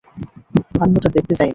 আমি ওটা দেখতে চাই না।